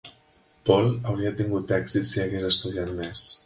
Paul hauria tingut èxit si hagués estudiat més.